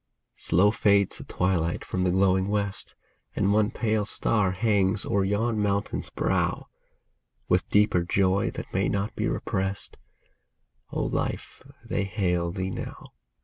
Slow fades the twilight from the glowing west, And one pale star hangs o'er yon mountain's brow ; With deeper joy, that may not be repressed, O Life, they hail thee now